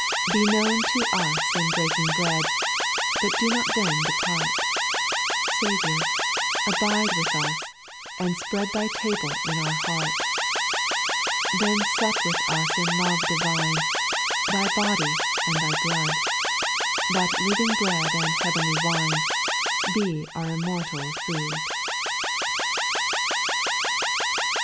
4. Be known to us in breaking bread, But do not then depart, — Saviour, abide with us, and spread Thv table in our heart. 6. Then sup with us in love divine ; Thy body and Thy blood. That living bread and heavenly wine, Be our immortal food.